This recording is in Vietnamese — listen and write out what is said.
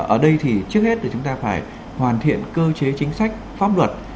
ở đây thì trước hết là chúng ta phải hoàn thiện cơ chế chính sách pháp luật